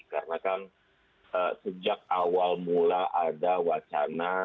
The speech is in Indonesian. karena kan sejak awal mula ada wacana